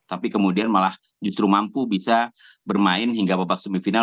tapi kemudian malah justru mampu bisa bermain hingga babak semifinal